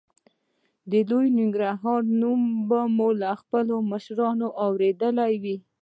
د لوی ننګرهار نوم به مو له خپلو مشرانو اورېدلی وي.